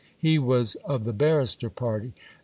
He was of the barrister party.